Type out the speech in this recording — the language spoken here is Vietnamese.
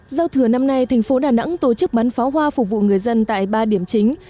giao thừa năm nay thành phố đà nẵng tổ chức bắn pháo hoa phục vụ người dân tại ba điểm chính